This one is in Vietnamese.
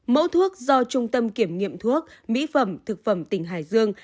mẫu thuốc do trung tâm kiểm nghiệm thuốc mỹ phẩm thực phẩm tỉnh hải dương